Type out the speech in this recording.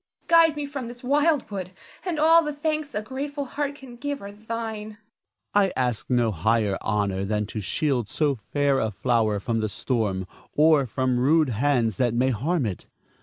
Guide me from this wild wood, and all the thanks a grateful heart can give are thine. Ernest. I ask no higher honor than to shield so fair a flower from the storm, or from rude hands that may harm it.